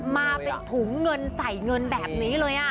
มาเป็นถุงเงินใส่เงินแบบนี้เลย